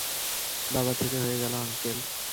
বাবা থেকে হয়ে গেল আঙ্কেল।